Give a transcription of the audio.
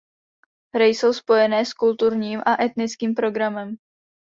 Hry jsou spojené s kulturním a etnickým programem.